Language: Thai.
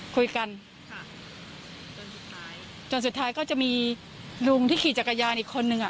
คุยกันจนสุดท้ายก็จะมีลุงที่ขี่จักรยานอีกคนนึง